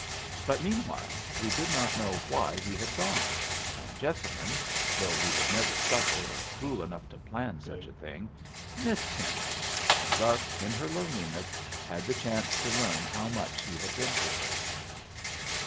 But meanwhile we did not know why he had gone, and Jessamine (though he was never subtle or cruel enough to plan such a thing) missed him, and thus in her loneliness had the chance to learn how much he had been to her.